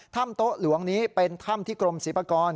โต๊ะหลวงนี้เป็นถ้ำที่กรมศิลปากร